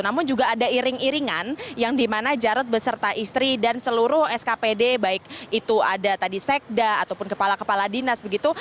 namun juga ada iring iringan yang dimana jarod beserta istri dan seluruh skpd baik itu ada tadi sekda ataupun kepala kepala dinas begitu